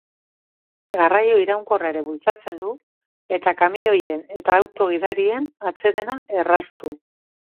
Garraio iraunkorra ere bultzatzen du, eta kamioien eta autoen gidarien atsedena erraztu.